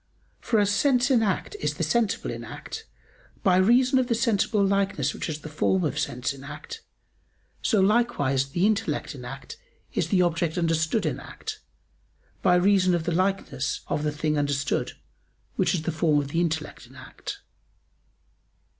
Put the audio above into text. For as sense in act is the sensible in act, by reason of the sensible likeness which is the form of sense in act, so likewise the intellect in act is the object understood in act, by reason of the likeness of the thing understood, which is the form of the intellect in act.